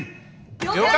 了解！